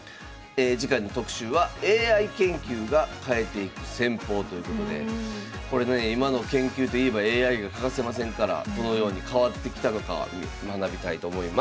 次回の特集は「ＡＩ研究が変えていく戦法」ということで今の研究といえばＡＩが欠かせませんからどのように変わってきたのか学びたいと思います。